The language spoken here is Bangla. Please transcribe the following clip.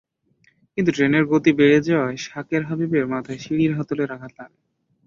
কিন্তু ট্রেনের গতি বেড়ে যাওয়ায় শাকের হাবিবের মাথায় সিঁড়ির হাতলের আঘাত লাগে।